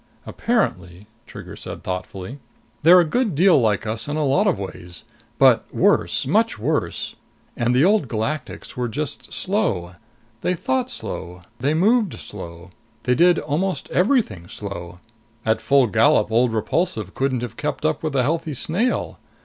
Apparently," Trigger said thoughtfully, "they're a good deal like us in a lot of ways. But worse. Much worse! And the Old Galactics were just slow. They thought slow; they moved slow they did almost everything slow. At full gallop, old Repulsive couldn't have kept up with a healthy snail.